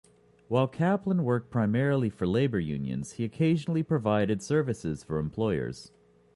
While Kaplan worked primarily for labor unions, he occasionally provided services for employers.